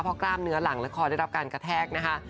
เพราะกล้ามเนื้อหลังและคอได้รับการกระแทกนะคะ